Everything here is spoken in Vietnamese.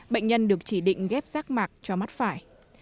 bệnh nhân được chỉ định ghép rác mạc cho mắt phải